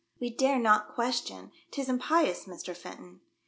We dare not question — 'tis impious, Mr. Fenton.